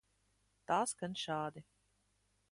Tā skan šādi.